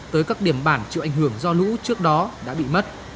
tới các điểm bản chịu ảnh hưởng do lũ trước đó đã bị mất